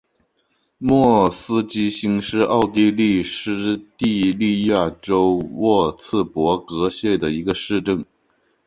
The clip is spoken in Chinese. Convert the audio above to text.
莫斯基兴是奥地利施蒂利亚州沃茨伯格县的一个市镇。